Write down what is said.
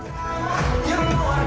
kepala k pop ground